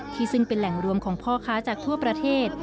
ซึ่งเป็นแหล่งรวมของพ่อค้าจากทั่วประเทศ